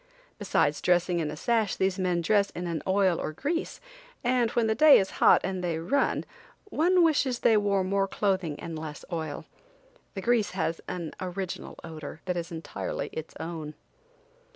Besides dressing in a sash these men dress in an oil or grease, and when the day is hot and they run, one wishes they wore more clothing and less oil! The grease has an original odor that is entirely its own.